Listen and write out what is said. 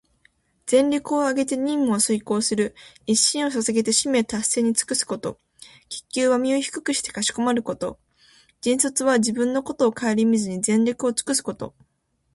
全力をあげて任務を遂行する、一身を捧げて使命達成に尽くすこと。「鞠躬」は身を低くしてかしこまること。「尽瘁」は自分のことをかえりみずに、全力をつくすこと。